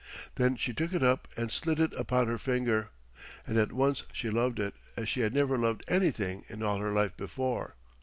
Then she took it up and slid it upon her finger, and at once she loved it as she had never loved anything in all her life before.